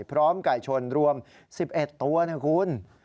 พร้อมไก่ชนรวม๑๑ตัวนะครับคุณ